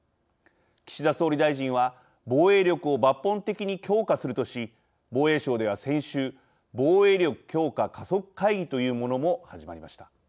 岸田総理大臣は防衛力を抜本的に強化するとし防衛省では先週防衛力強化加速会議というものも始まりました。